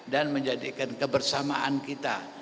dan menjadikan kebersamaan kita